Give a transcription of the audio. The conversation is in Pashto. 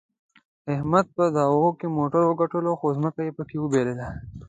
احمد په دعوا کې موټر وګټلو، خو ځمکه یې پکې د وباییلله.